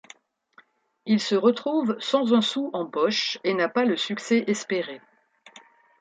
Il se retrouve sans un sou en poche et n'a pas le succès espéré.